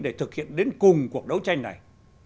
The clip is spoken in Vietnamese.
đến cùng cuộc đấu tranh này